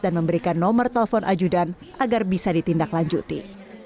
dan memberikan nomor telepon ajudan agar bisa ditindaklanjuti